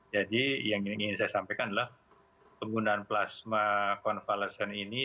jadi yang ingin saya sampaikan adalah penggunaan plasma konvalesan ini